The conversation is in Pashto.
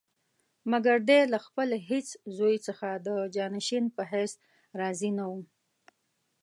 مګر دی له خپل هېڅ زوی څخه د جانشین په حیث راضي نه وو.